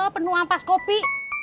penuh ampas kopi